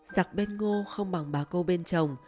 giặc bên ngô không bằng bà cô bên chồng